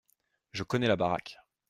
Je connais la baraque.